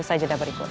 saya jeda berikut